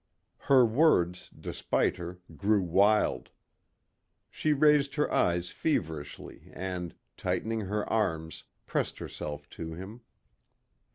Her words, despite her, grew wild. She raised her eyes feverishly and, tightening her arms, pressed herself to him.